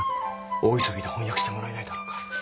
大急ぎで翻訳してもらえないだろうか。